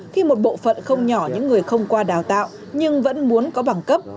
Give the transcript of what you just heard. khi một bộ phận không nhỏ những người không qua đào tạo nhưng vẫn muốn có bằng cấp